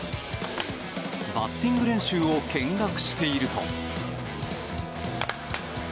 バッティング練習を見学していると。